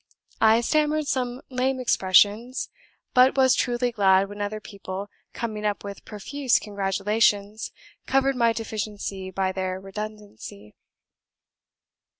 I stammered some lame expressions; but was truly glad when other people, coming up with profuse congratulations, covered my deficiency by their redundancy."